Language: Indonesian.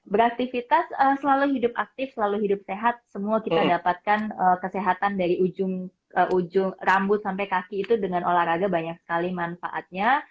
beraktivitas selalu hidup aktif selalu hidup sehat semua kita dapatkan kesehatan dari ujung rambut sampai kaki itu dengan olahraga banyak sekali manfaatnya